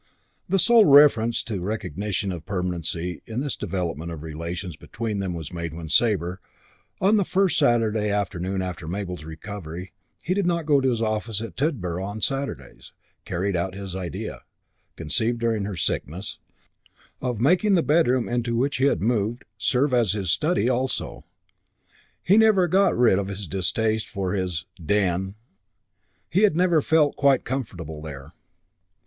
The sole reference to recognition of permanency in this development of the relations between them was made when Sabre, on the first Saturday afternoon after Mabel's recovery he did not go to his office at Tidborough on Saturdays carried out his idea, conceived during her sickness, of making the bedroom into which he had moved serve as his study also. He had never got rid of his distaste for his "den." He had never felt quite comfortable there.